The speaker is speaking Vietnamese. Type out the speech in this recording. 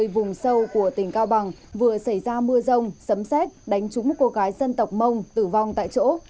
vừa xảy ra mưa rông sấm xét đánh trúng một cô gái dân tộc mông tử vong tại chỗ